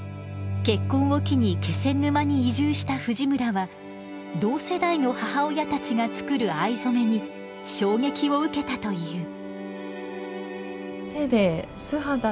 結婚を機に気仙沼に移住した藤村は同世代の母親たちが作る藍染めに衝撃を受けたという。